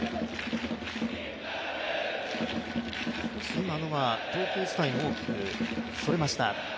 少し今のは投球スタイルも、大きくそれました。